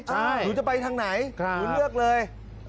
หนูจะไปทางไหนหนูเลือกเลย